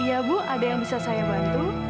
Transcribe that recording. iya bu ada yang bisa saya bantu